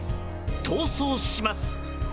逃走します。